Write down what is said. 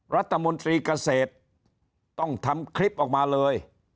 รัฐมนตรีเกษตรต้องทำคลิปออกมาเลย